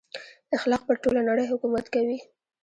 اخلاق پر ټوله نړۍ حکومت کوي.